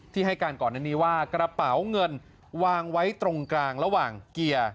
ให้การก่อนอันนี้ว่ากระเป๋าเงินวางไว้ตรงกลางระหว่างเกียร์